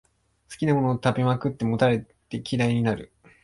好きなものを食べまくって、もたれて嫌いになる